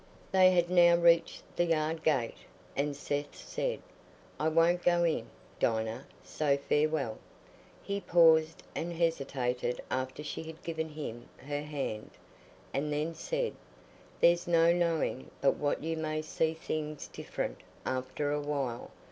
They had now reached the yard gate, and Seth said, "I won't go in, Dinah, so farewell." He paused and hesitated after she had given him her hand, and then said, "There's no knowing but what you may see things different after a while.